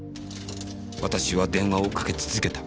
私は電話をかけ続けた。